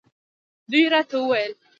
دوی راته وویل.